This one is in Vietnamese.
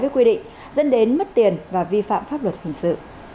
với quy định dân đến mất tiền và vi phạm pháp luật hình sự